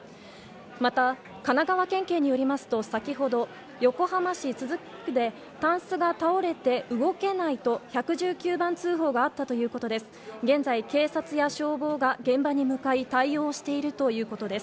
また神奈川警によりますと先ほど横浜市都筑区で、たんすが倒れて動けないと１１９番通報があったということです。